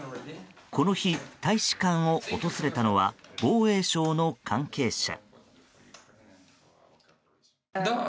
この日、大使館を訪れたのは防衛省の関係者。